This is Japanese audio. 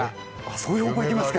そういう方向に行きますか。